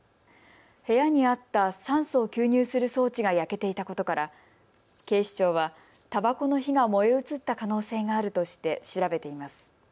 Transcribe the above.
部屋にあった酸素を吸入する装置が焼けていたことから警視庁はたばこの火が燃え移った可能性があるとして調べています。